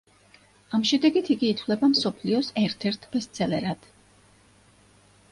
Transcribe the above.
ამ შედეგით იგი ითვლება მსოფლიოს ერთ-ერთ ბესტსელერად.